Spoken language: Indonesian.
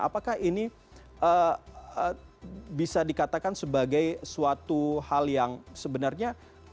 apakah ini bisa dikatakan sebagai suatu hal yang sebenarnya